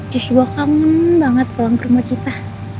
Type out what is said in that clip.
justru aku kangen banget pulang ke rumah kita